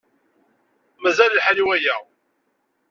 Mazal lḥal i waya.